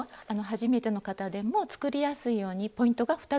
初めての方でも作りやすいようにポイントが２つあります。